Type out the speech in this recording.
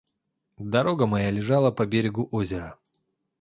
Дорога моя лежала по берегу озера.